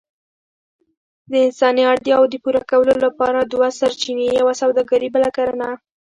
د انساني اړتياوو د پوره کولو لپاره دوه سرچينې، يوه سووداګري بله کرنه.